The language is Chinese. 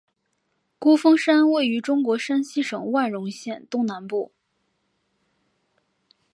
孤峰山位于中国山西省万荣县东南部。